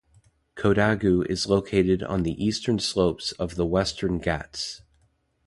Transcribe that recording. Kodagu is located on the eastern slopes of the Western Ghats.